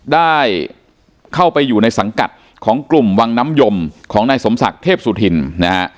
ได้เข้าไปอยู่ในสังกัดของกลุ่มวังน้ำยมของนายสมศักดิ์เทพสุธินนะฮะ